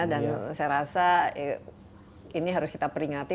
dan saya rasa ini harus kita peringati